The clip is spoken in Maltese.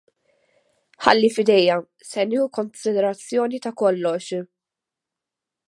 Ħalli f'idejja; se nieħu konsiderazzjoni ta' kollox.